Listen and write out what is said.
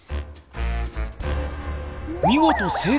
見事成功！